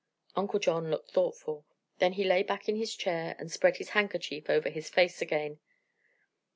Uncle John looked thoughtful. Then he lay back in his chair and spread his handkerchief over his face again.